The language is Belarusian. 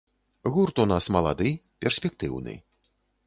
Гурт у нас малады, перспектыўны.